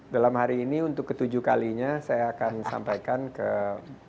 dalam hari ini untuk ketujuh kalinya saya akan sampaikan ke pak